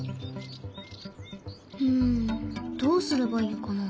うんどうすればいいかな。